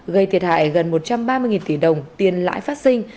gây thiệt hại gần một trăm ba mươi tỷ đồng tiền lãi phát sinh